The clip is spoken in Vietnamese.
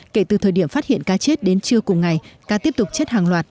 kể từ thời điểm phát hiện cá chết đến trưa cùng ngày cá tiếp tục chết hàng loạt